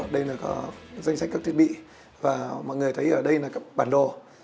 đây là danh sách các thiết bị và mọi người thấy ở đây là các bản đồ